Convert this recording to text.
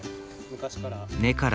昔から。